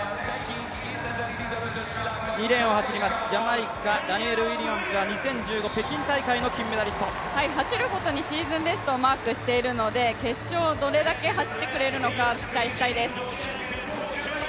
２レーンを走りますジャマイカ、ダニエル・ウィリアムズ選手は走るごとにシーズンベストをマークしているので決勝、どれだけ走ってくれるのか期待したいです。